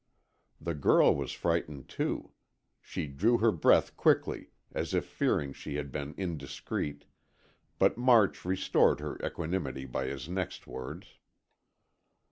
The girl was frightened, too. She drew her breath quickly, as if fearing she had been indiscreet, but March restored her equanimity by his next words.